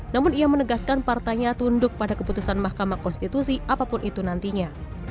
namun ia menegaskan partainya tunduk pada keputusan mahkamah konstitusi apapun itu nantinya